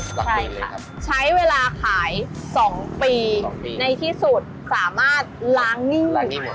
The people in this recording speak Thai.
ใช่ค่ะใช้เวลาขาย๒ปีในที่สุดสามารถล้างหนี้หมด